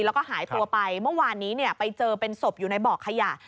แล้วก็หายตัวไปเมื่อวานนี้ไปเจอเป็นศพอยู่ในบ่อขยะ